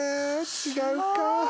違うか。